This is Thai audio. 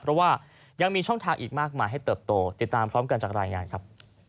เพราะว่ายังมีช่องทางอีกมากมายให้เติบโตติดตามพร้อมกันจากรายงานครับ